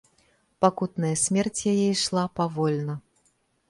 Пакутная смерць яе ішла павольна.